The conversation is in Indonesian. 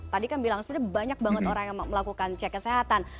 tadi kan bilang sebenarnya banyak banget orang yang melakukan cek kesehatan